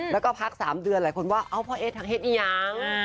แล้วก็พัก๓เดือนหลายคนว่าเอ้าพ่อเอสทางเฮ็ดนี่ยัง